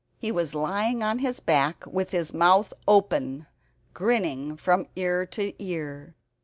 He was lying on his back with his mouth open, grinning from ear to ear.